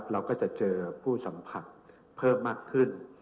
เราก็จะเจอผู้สัมผัสเพิ่มมากขึ้น